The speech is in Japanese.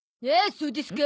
そうですか！